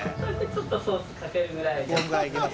ちょっとソースかけるぐらいで。